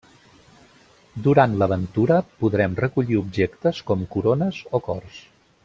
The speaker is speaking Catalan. Durant l'aventura podrem recollir objectes com corones o cors.